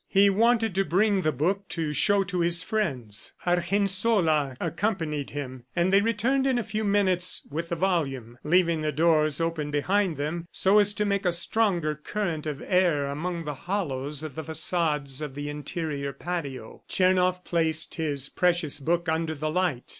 He wanted to bring the book to show to his friends. Argensola accompanied him, and they returned in a few minutes with the volume, leaving the doors open behind them, so as to make a stronger current of air among the hollows of the facades and the interior patio. Tchernoff placed his precious book under the light.